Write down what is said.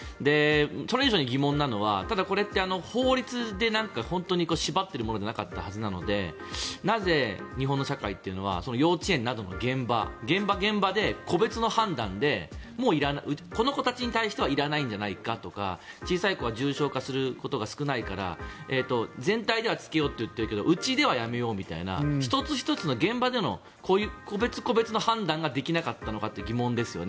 それ以上に疑問なのはこれって法律で縛っているものではなかったはずなのでなぜ日本の社会というのは幼稚園などの現場、現場で個別の判断でこの子たちに対してはいらないんじゃないかとか小さい子は重症化することが少ないから全体では着けようといっているけどうちではやめようみたいな１つ１つの現場での個別個別の判断ができなかったのか疑問です。